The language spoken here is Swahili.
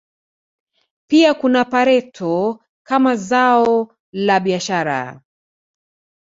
Pia kuna pareto kama zao la biashara